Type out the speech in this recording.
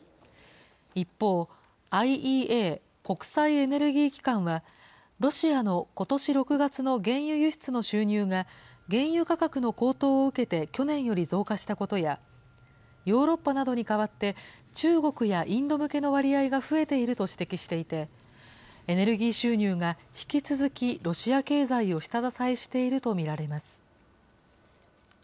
一方、ＩＥＡ・国際エネルギー機関は、ロシアのことし６月の原油輸出の収入が原油価格の高騰を受けて去年より増加したことや、ヨーロッパなどに代わって中国やインド向けの割合が増えていると指摘していて、エネルギー収入が引き続きロシア経済を下支えしていると見られます。